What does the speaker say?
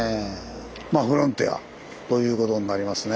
まあフロンティアということになりますね。